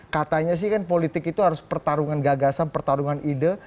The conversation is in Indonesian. katanya sih kan politik itu harus pertarungan gagasan pertarungan ide